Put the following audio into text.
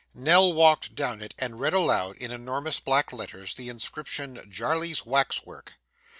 Nell walked down it, and read aloud, in enormous black letters, the inscription, 'JARLEY'S WAX WORK.